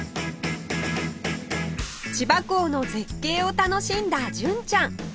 千葉港の絶景を楽しんだ純ちゃん